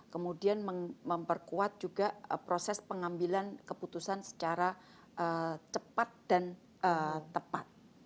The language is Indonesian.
kemudian memperkuat juga proses pengambilan keputusan secara cepat dan tepat